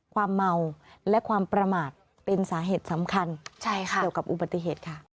ความเมาและความประมาทเป็นสาเหตุสำคัญเกี่ยวกับอุบัติเหตุค่ะ